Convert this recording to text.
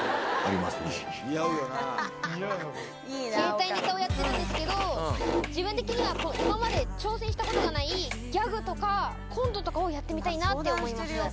たぶんそのうん自分的には今まで挑戦したことがないギャグとかコントとかをやってみたいなって思います